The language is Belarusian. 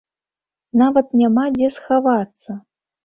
Нават няма дзе схавацца!